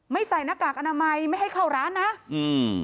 ใส่หน้ากากอนามัยไม่ให้เข้าร้านนะอืม